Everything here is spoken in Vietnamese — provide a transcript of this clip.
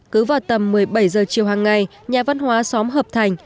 cứ vào tầm một mươi bảy h chiều hàng ngày nhà văn hóa xóm hợp thành